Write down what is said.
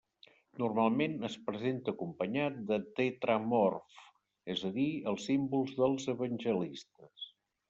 Normalment es presenta acompanyat del Tetramorf, és a dir, els símbols dels evangelistes.